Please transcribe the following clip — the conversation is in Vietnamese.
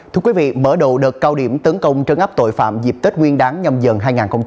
thưa quý vị mở đầu đợt cao điểm tấn công trấn áp tội phạm dịp tết nguyên đáng nhâm dần dần hai nghìn hai mươi bốn